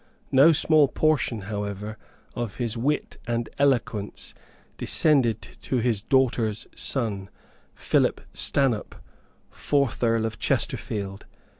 No small portion, however, of his wit and eloquence descended to his daughter's son, Philip Stanhope, fourth Earl of Chesterfield.